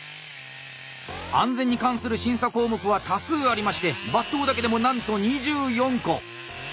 安全に関する審査項目は多数ありまして「伐倒」だけでもなんと２４個。